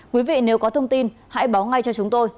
quý vị nếu có thông tin hãy báo ngay cho chúng tôi